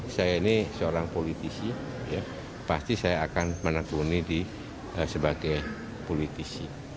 saya ini seorang politisi pasti saya akan menekuni sebagai politisi